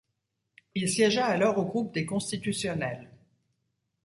Il siégea alors au groupe des constitutionnels.